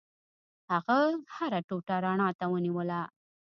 هغه هره ټوټه رڼا ته ونیوله.